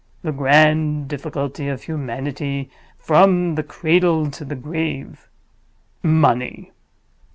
"The Grand Difficulty of humanity from the cradle to the grave—Money."